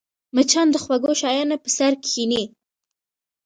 مچان د خوږو شیانو پر سر کښېني